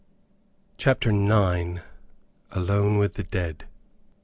CHAPTER IX. ALONE WITH THE DEAD.